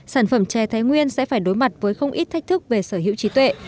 sản phẩm chè thái nguyên sẽ phải đối mặt với không ít thách thức về sở hữu trí tuệ